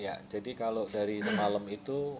ya jadi kalau dari semalam itu